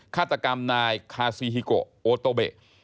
ฆาตกรรมนายคาซีฮิโกโอโตเบะ